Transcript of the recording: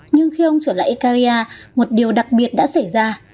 nhưng khi ông trở lại icaria một điều đặc biệt đã xảy ra